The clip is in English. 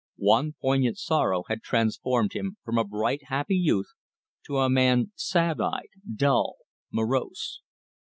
One poignant sorrow had transformed him from a bright, happy youth, to a man sad eyed, dull, morose.